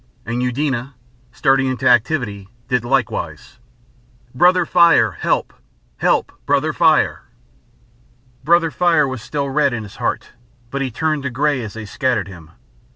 And Eudena, starting into activity, did likewise. "Brother Fire! Help, help! Brother Fire!" Brother Fire was still red in his heart, but he turned to grey as they scattered him.